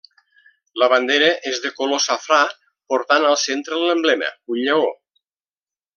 La bandera és de color safrà, portant al centre l'emblema, un lleó.